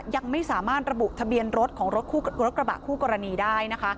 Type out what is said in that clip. ยังไม่สามารถระบุทะเบียนรถของรถกระบะคู่กรณีได้นะคะ